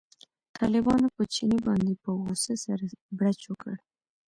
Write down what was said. طالبانو په چیني باندې په غوسه سره بړچ وکړ.